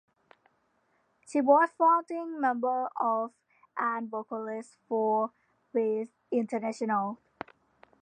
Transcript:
She was a founding member of, and vocalist for, Beats International.